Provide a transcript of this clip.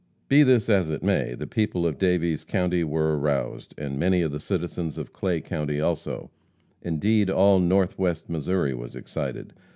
Be this as it may, the people of Daviess county were aroused, and many of the citizens of Clay county also, indeed all Northwest Missouri was excited.